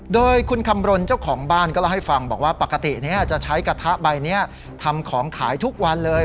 โดยคุณคำรณเจ้าของบ้านก็เล่าให้ฟังบอกว่าปกติจะใช้กระทะใบนี้ทำของขายทุกวันเลย